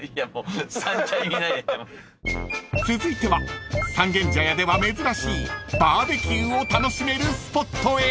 ［続いては三軒茶屋では珍しいバーベキューを楽しめるスポットへ］